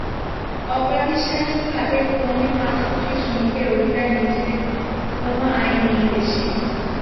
অপ্রাতিষ্ঠানিক খাতের পৌনে পাঁচ কোটি শ্রমিকের অধিকার নিশ্চিতে কোনো আইন নেই দেশে।